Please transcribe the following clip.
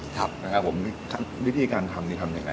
ครับขั้นวิธีการทำนี่ทำยังไง